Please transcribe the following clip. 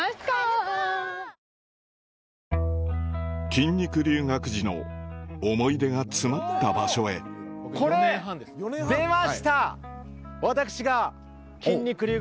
筋肉留学時の思い出が詰まった場所へこれ出ました！